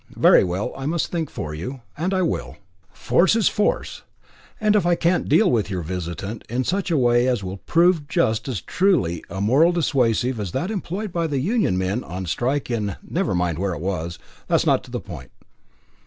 Very well, I must think for you, and I will. Force is force, and see if I can't deal with your visitant in such a way as will prove just as truly a moral dissuasive as that employed on the union men on strike in never mind where it was. That's not to the point."